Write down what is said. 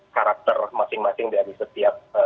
karakter masing masing dari setiap